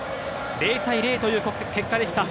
０対０という結果でした。